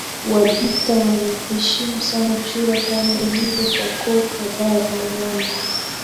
Wajita wanaheshimu sana chura kama ilivyo kwa koo kadhaa za Rwanda